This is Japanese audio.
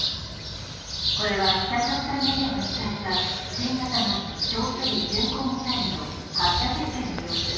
これは北朝鮮メディアが伝えた新型の長距離巡航ミサイルの発射実験の様子。